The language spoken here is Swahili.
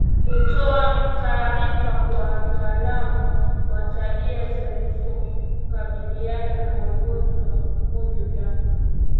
Kutoa taarifa kwa wataalamu wa tiba za mifugo hukabiliana na ugonjwa wa mkojo damu